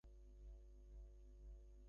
এটা খুব খারাপ, যদিও।